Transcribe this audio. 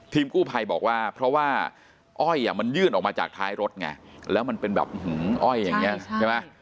กู้ภัยบอกว่าเพราะว่าอ้อยมันยื่นออกมาจากท้ายรถไงแล้วมันเป็นแบบอ้อยอย่างนี้ใช่ไหม